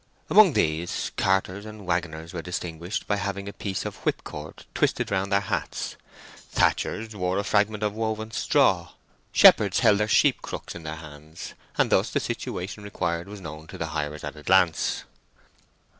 Among these, carters and waggoners were distinguished by having a piece of whip cord twisted round their hats; thatchers wore a fragment of woven straw; shepherds held their sheep crooks in their hands; and thus the situation required was known to the hirers at a glance.